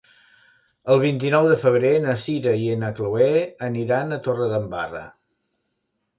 El vint-i-nou de febrer na Sira i na Chloé aniran a Torredembarra.